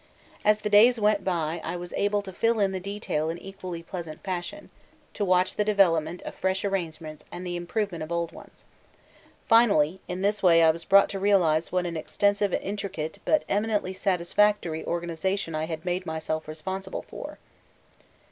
As the days went by I was able to fill in the detail in equally pleasant fashion, to watch the development of fresh arrangements and the improvement of old ones. Finally, in this way I was brought to realise what an extensive and intricate but eminently satisfactory organisation I had made myself responsible for.